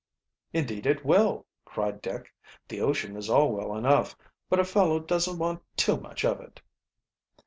"Indeed it will!" cried Dick. "The ocean is all well enough, but a fellow doesn't want too much of it."